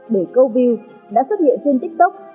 để câu view đã xuất hiện trên tiktoker